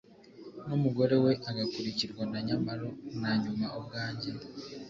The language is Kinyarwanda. numugore we, agakurikirwa na nyamalo na nyuma ubwanjye